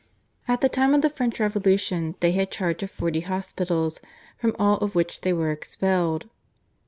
At the time of the French Revolution they had charge of forty hospitals, from all of which they were expelled.